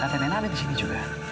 tante nena ada disini juga